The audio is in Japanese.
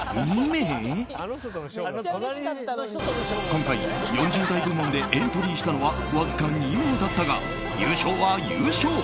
今回、４０代部門でエントリーしたのはわずか２名だったが優勝は優勝。